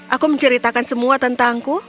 aku menceritakan semua tentangmu